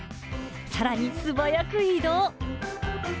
さらに素早く移動。